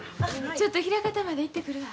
ちょっと枚方まで行ってくるわ。